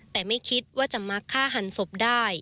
แต่ไม่คิดว่าจะมักฆ่าหันศพได้